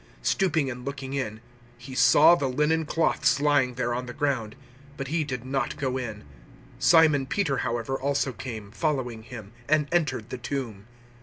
020:005 Stooping and looking in, he saw the linen cloths lying there on the ground, but he did not go in. 020:006 Simon Peter, however, also came, following him, and entered the tomb.